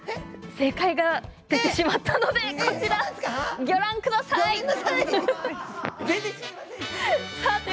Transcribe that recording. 正解が出てしまったのでこちら、ご覧ください。